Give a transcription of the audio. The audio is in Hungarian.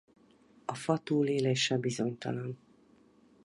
A fa túlélése bizonytalan.